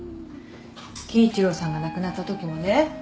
貴一郎さんが亡くなったときもね